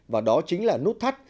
và đó chính là nút thắt